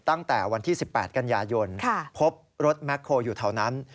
ตั้งแต่วันที่๑๘กันยายนพบรถแคลอยู่แถวนั้น